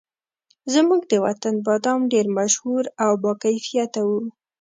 زموږ د وطن بادام ډېر مشهور او باکیفیته وو.